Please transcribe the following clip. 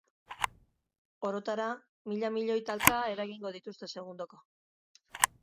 Orotara, mila milioi talka eragingo dituzte segundoko.